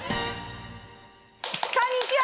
こんにちは！